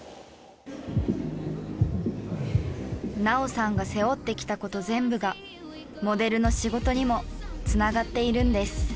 菜桜さんが背負ってきたこと全部がモデルの仕事にもつながっているんです。